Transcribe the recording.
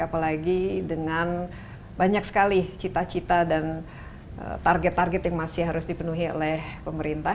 apalagi dengan banyak sekali cita cita dan target target yang masih harus dipenuhi oleh pemerintah